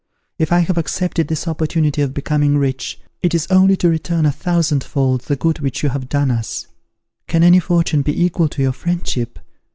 If I have accepted this opportunity of becoming rich, it is only to return a thousand fold the good which you have done us. Can any fortune be equal to your friendship?